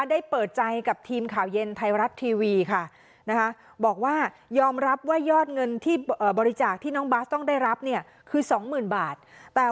ล่าสุดเจ้าของเพจที่เป็นประเด็นเรื่องเงินค่ะ